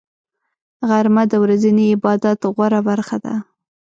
غرمه د ورځني عبادت غوره برخه ده